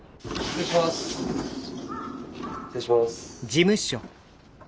失礼します。